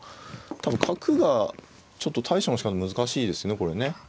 多分角がちょっと対処のしかた難しいですねこれね。